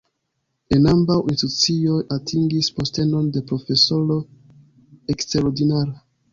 En ambaŭ institucioj atingis postenon de profesoro eksterordinara.